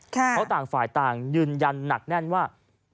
เพราะต่างฝ่ายต่างยืนยันหนักแน่นว่า